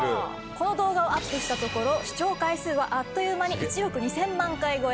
この動画をアップしたところ視聴回数はあっという間に１億２０００万回超え。